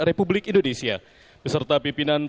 republik indonesia beserta pimpinan